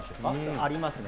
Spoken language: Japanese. ありますね。